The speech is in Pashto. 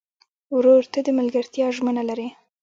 ورور ته د ملګرتیا ژمنه لرې.